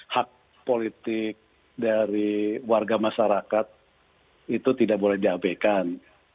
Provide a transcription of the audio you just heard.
hak politik dari warga masyarakat itu tidak boleh diabaikan